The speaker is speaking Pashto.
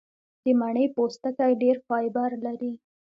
د مڼې پوستکی ډېر فایبر لري.